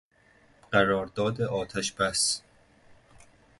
قرارداد آتش بس